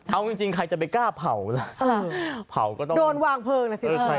เอาจริงใครจะไปกล้าเผาล่ะเผาก็ต้องโดนวางเพลิงนะสิ